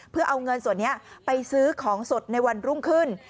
เพื่อเอาเงินส่วนนี้ไปซื้อของสดในวันรุ่งขึ้น